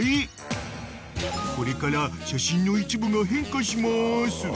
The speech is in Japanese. ［これから写真の一部が変化します］